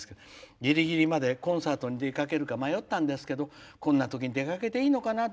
「ギリギリまでコンサートに出かけるか迷ったんですけどこんなとき出かけていいのかなって。